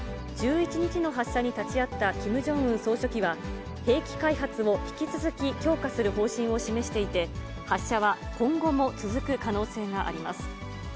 １１日の発射に立ち会ったキム・ジョンウン総書記は、兵器開発を引き続き強化する方針を示していて、発射は今後も続く可能性があります。